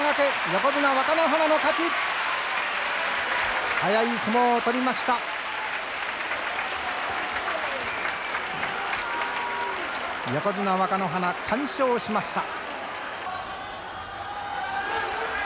横綱若乃花、完勝しました。